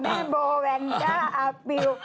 เอาอีกแล้วแม่โบแวนด้าอาปิว